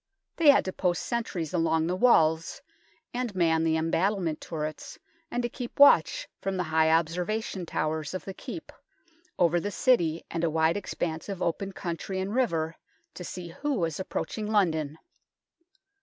They had to post sentries along the walls and man the em battled turrets, and to keep watch from the high observation towers of the Keep, over the City and a wide expanse of open country and river, to see who was approaching London.